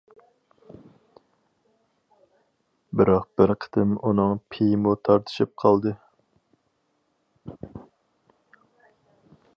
بىراق بىر قېتىم ئۇنىڭ پېيىمۇ تارتىشىپ قالدى.